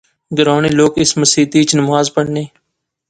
گراں نے لوک اس مسیتی اچ نماز پڑھنے